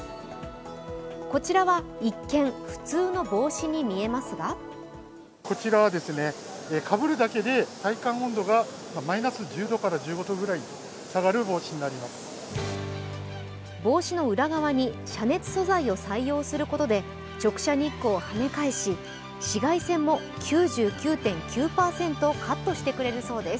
こちらは一見普通の帽子に見えますが帽子の裏側に遮熱素材を採用することで、直射日光を跳ね返し紫外線も９９．９％カットしてくれるそうです。